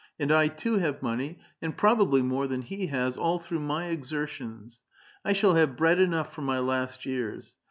And I too have money, and probably more than he has, — all through my exertions. I shall have bread enough for my last years.